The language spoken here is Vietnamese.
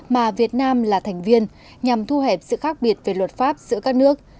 mà việt nam là thành viên nhằm thu hẹp sự khác biệt về luật pháp giữa các nước